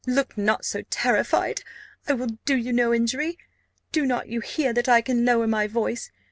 Look not so terrified; I will do you no injury. Do not you hear that I can lower my voice?